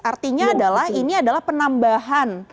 artinya adalah ini adalah penambahan